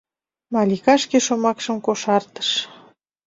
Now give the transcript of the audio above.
— Малика шке шомакшым кошартыш.